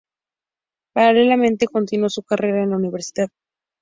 Paralelamente continuó su carrera en la universidad.